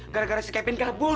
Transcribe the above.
gara gara si kevin kabur